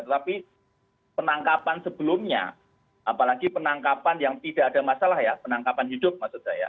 tetapi penangkapan sebelumnya apalagi penangkapan yang tidak ada masalah ya penangkapan hidup maksud saya